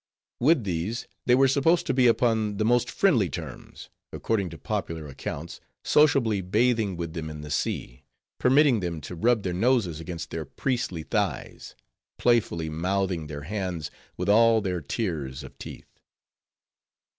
With these they were supposed to be upon the most friendly terms; according to popular accounts, sociably bathing with them in the sea; permitting them to rub their noses against their priestly thighs; playfully mouthing their hands, with all their tiers of teeth.